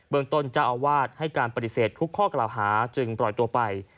เมืองต้นเจ้าอาวาสให้การปฏิเสธทุกข้อกล่าวหาจึงปล่อยตัวไป